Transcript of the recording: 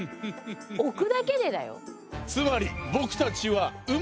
置くだけでだよ。